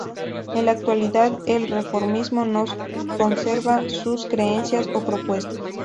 En la actualidad el reformismo no conserva sus creencias o propuestas.